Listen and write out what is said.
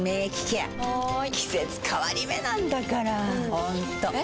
ホントえ？